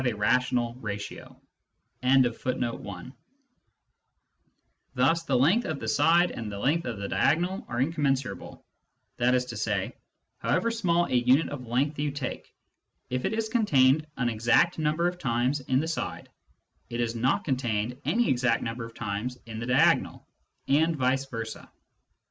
Therefore n must Digitized by Google THE PROBLEM OF INFINITY 163 Thus the length of the side and the length of the diagonal are incommensurable ; that is to say, however small a unit of length you take, if it is contained an exact number of times in the side, it is not contained any exact number of times in the diagonal, and vice versa.